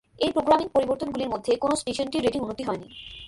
এই প্রোগ্রামিং পরিবর্তনগুলির মধ্যে কোনও স্টেশনটির রেটিং উন্নতি হয়নি।